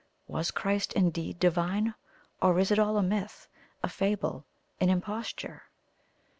Was Christ indeed Divine or is it all a myth, a fable an imposture?"